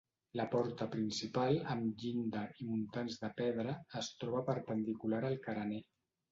La porta principal, amb llinda i muntants de pedra, es troba perpendicular al carener.